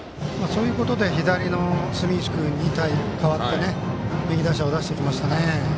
そういうことで左の住石君に代わって右打者を出してきましたね。